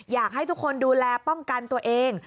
อยากให้ทุกคนดูแลป้องกันตัวเอง